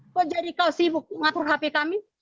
kok jadi kau sibuk ngatur hp kami